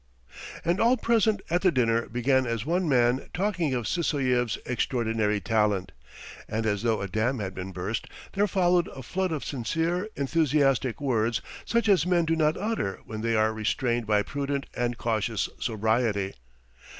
And all present at the dinner began as one man talking of Sysoev's extraordinary talent. And as though a dam had been burst, there followed a flood of sincere, enthusiastic words such as men do not utter when they are restrained by prudent and cautious sobriety.